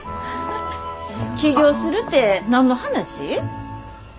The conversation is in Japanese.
起業するて何の話？